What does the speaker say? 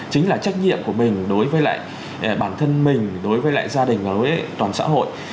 chính là trách nhiệm của mình đối với lại bản thân mình đối với lại gia đình và đối với toàn xã hội